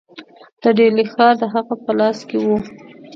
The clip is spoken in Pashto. د ډهلي ښار د هغه په لاس کې وو.